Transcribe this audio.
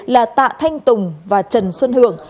là tạ thanh tùng và trần xuân hường